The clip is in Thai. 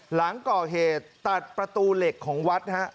หลังก่อเหตุตัดประตูเหล็กของวัดฮะ